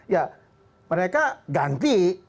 ya mereka ganti